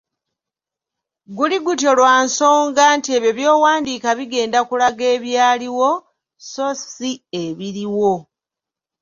Guli gutyo lwa nsonga nti ebyo by’owandiiika bigenda kulaga ebyaliwo so si ebiriwo.